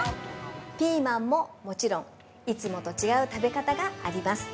◆ピーマンももちろんいつもと違う食べ方があります。